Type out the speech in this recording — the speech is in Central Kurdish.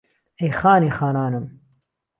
ئهی خانی خانانم